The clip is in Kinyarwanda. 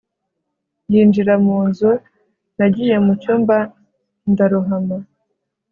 yinjira mu nzu. nagiye mucyumba cyanjye ndarohama